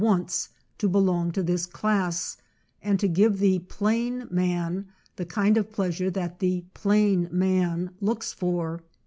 once to belong to this class, and to give the "plain man" the kind of pleasure that the plain man looks for.